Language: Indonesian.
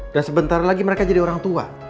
dan sebentar lagi mereka jadi orang tua